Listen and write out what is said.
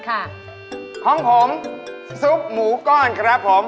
ของผมซุปหมูก้อนครับผม